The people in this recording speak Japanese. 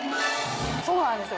そうなんですよ。